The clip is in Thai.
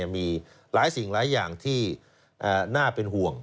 มีหลายสิ่งหลายอย่างที่น่าเป็นห่วง